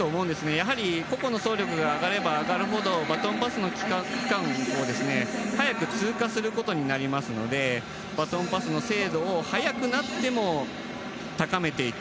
やはり個々の総力が上がれば上がるほどバトンパスの区間を速く通過することになりますのでバトンパスの精度を速くなっても高めていく。